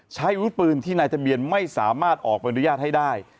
ใช้วุฒิปืนที่นายทะเบียนไม่สามารถออกใบอนุญาตให้ได้